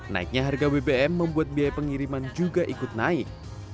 naiknya harga bbm membuat biaya pengiriman juga ikut naik